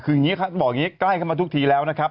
คืออย่างนี้บอกอย่างนี้ใกล้เข้ามาทุกทีแล้วนะครับ